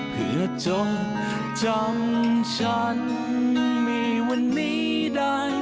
เพื่อจบจำฉันในวันนี้ได้